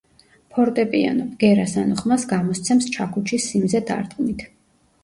ფორტეპიანო, ბგერას ანუ ხმას გამოსცემს ჩაქუჩის სიმზე დარტყმით.